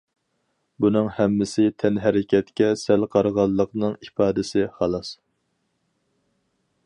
بۇنىڭ ھەممىسى تەنھەرىكەتكە سەل قارىغانلىقنىڭ ئىپادىسى، خالاس.